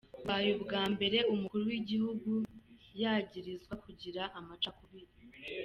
Bubaye ubwa mbere umukuru w'igihugu yagirizwa kugira amacakubiri.